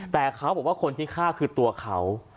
แต่เขาบอกว่าคนที่ฆ่าคือตัวเขา